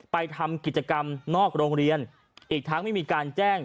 ไปทำกิจกรรมนอกโรงเรียนอีกทั้งไม่มีการแจ้ง